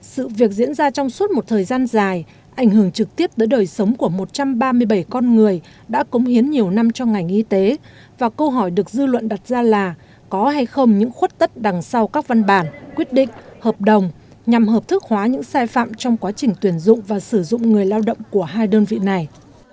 sự việc diễn ra trong suốt một thời gian dài ảnh hưởng trực tiếp tới đời sống của một trăm ba mươi bảy con người đã cống hiến nhiều năm cho ngành y tế và câu hỏi được dư luận đặt ra là có hay không những khuất tất đằng sau các văn bản quyết định hợp đồng nhằm hợp thức hóa những sai phạm trong quá trình tuyển dụng và sử dụng người lao động của hai đơn vị này